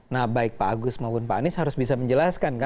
nah baik pak agus maupun pak anies harus bisa menjelaskan